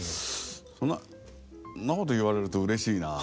そんなこと言われるとうれしいなぁ。